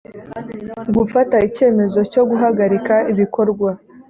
gufata icyemezo cyo guhagarika ibikorwa